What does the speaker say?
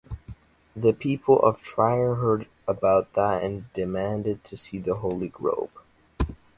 The people of Trier heard about that and demanded to see the Holy Robe.